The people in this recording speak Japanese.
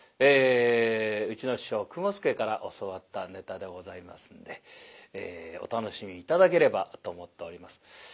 うちの師匠雲助から教わったネタでございますんでお楽しみ頂ければと思っております。